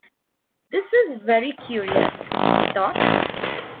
‘This is very curious,’ he thought.